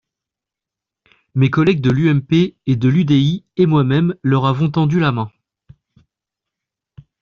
Mes collègues de l’UMP et de l’UDI et moi-même leur avons tendu la main.